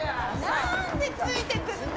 何でついてくんの。